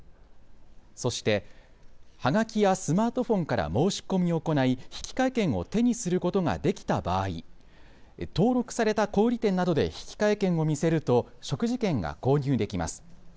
そして、はがきやスマートフォンから申し込みを行い引換券を手にすることができた場合、登録された小売店などで引換券を見せると食事券が購入できます。